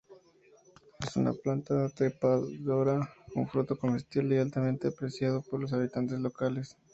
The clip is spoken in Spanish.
Es una planta trepadora con fruto comestible y altamente apreciado por los habitantes locales.